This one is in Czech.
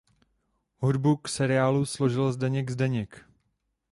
Hudbu k seriálu složil Zdeněk Zdeněk.